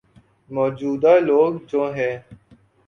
موجود ہ لوگ جو ہیں۔